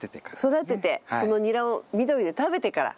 育ててそのニラを緑で食べてから。